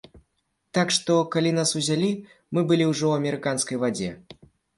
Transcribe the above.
Так што, калі нас узялі, мы былі ўжо ў амерыканскай вадзе.